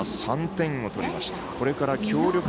３点を取りました。